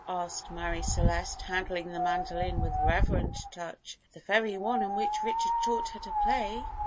asked Marie Celeste, handling the mandolin with reverent touch "the very one on which Richard taught her to play?"